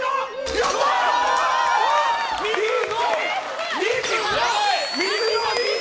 やったー！